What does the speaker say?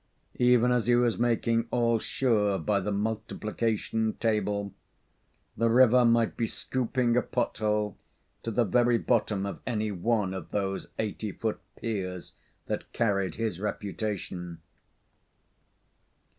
Even as he was making all sure by the multiplication table, the river might be scooping a pot hole to the very bottom of any one of those eighty foot piers that carried his reputation.